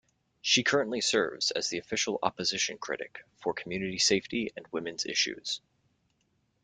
She currently serves as the Official Opposition Critic for Community Safety and Women's Issues.